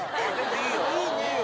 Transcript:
いいよいいよ！